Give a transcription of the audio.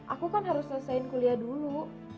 aku kan harus selesaiin kuliah dulu